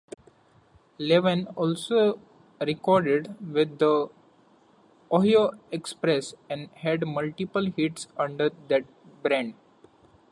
Levine also recorded with The Ohio Express and had multiple hits under that brand.